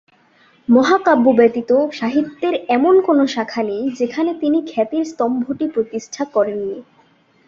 মহাকাব্য ব্যতীত সাহিত্যের এমন কোন শাখা নেই যেখানে তিনি খ্যাতির স্তম্ভটি প্রতিষ্ঠা করেননি।